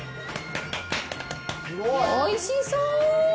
おいしそ！